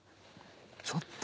ちょっと。